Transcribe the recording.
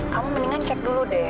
kamu mendingan cek dulu deh